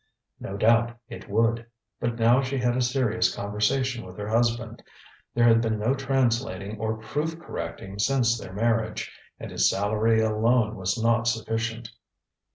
No doubt, it would. But now she had a serious conversation with her husband! There had been no translating or proof correcting since their marriage. And his salary alone was not sufficient.